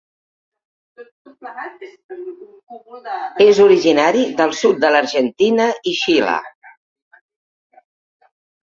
És originari del sud de l'Argentina i Xile.